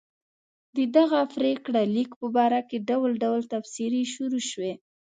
د دغه پرېکړه لیک په باره کې ډول ډول تبصرې شروع شوې.